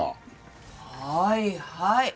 はいはい。